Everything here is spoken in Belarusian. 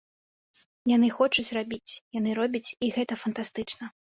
Яны хочуць рабіць, яны робяць, і гэта фантастычна.